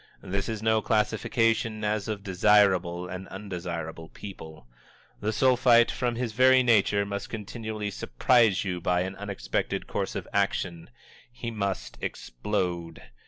This is no classification as of desirable and undesirable people. The Sulphite, from his very nature, must continually surprise you by an unexpected course of action. He must explode.